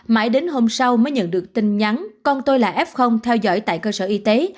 mãi đến hôm sau mới nhận được tin nhắn con tôi là f theo dõi tại cơ sở y tế